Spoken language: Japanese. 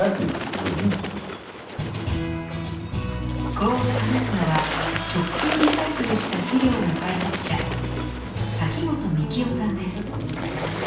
こう話すのは食器をリサイクルした肥料の開発者滝本幹夫さんです。